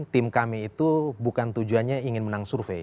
tim kami itu bukan tujuannya ingin menang survei